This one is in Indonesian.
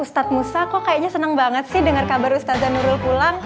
ustadz musa kok kayaknya seneng banget sih denger kabar ustadz nurul pulang